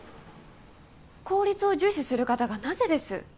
効率を重視する方がなぜです？